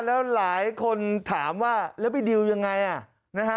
แล้วหลายคนถามว่าแล้วไปดิวยังไงนะฮะ